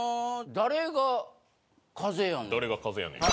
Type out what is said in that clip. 「誰が風やねん！」。